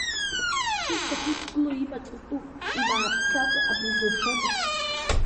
Сышьҭахь иқәгыло имаҵ утәуп, имааԥсакәа абри зылшода?